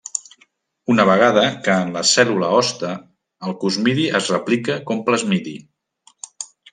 Una vegada que en la cèl·lula hoste, el cosmidi es replica com plasmidi.